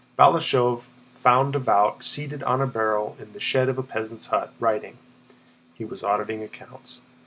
Balashëv found Davout seated on a barrel in the shed of a peasant's hut, writing—he was auditing accounts.